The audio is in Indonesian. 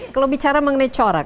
kalau bicara mengenai corak